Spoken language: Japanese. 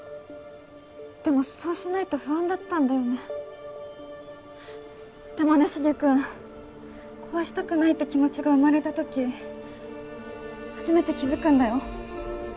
でもそうしないと不安だったんだよねでもねしげ君壊したくないって気持ちが生まれたとき初めて気づくんだよ